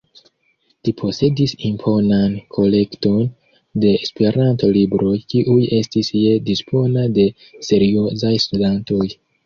Li posedis imponan kolekton de Esperanto-libroj, kiuj estis je dispono de seriozaj studantoj.